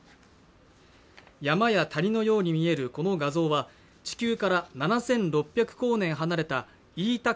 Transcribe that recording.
山や谷のように見えるこの画像は地球から７６００光年離れたイータ